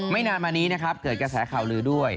นานมานี้นะครับเกิดกระแสข่าวลือด้วย